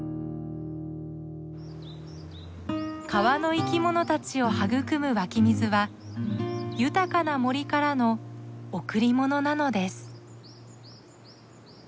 川の生き物たちを育む湧き水は豊かな森からの贈り物なのです。